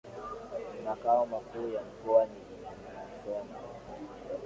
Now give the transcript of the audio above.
Makao makuu ya Mkoa ni Musoma